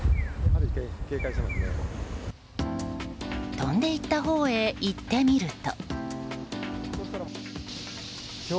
飛んでいったほうへ行ってみると。